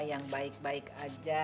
yang baik baik aja